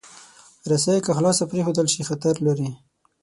رسۍ که خلاصه پرېښودل شي، خطر لري.